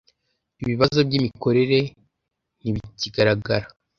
ibibazo by’imikorere ntibikigaragara.